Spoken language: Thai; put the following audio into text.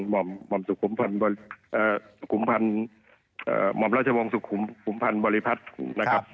หม่อมราชวงศ์สุขุมพันธ์บริพัฒน์นะครับ